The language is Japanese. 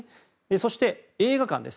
そして、映画館です。